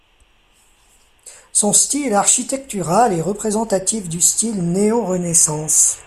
Son style architectural est représentatif du style néo-Renaissance.